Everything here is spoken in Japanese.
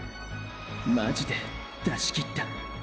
マジで出しきった。